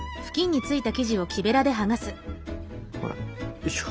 よいしょ。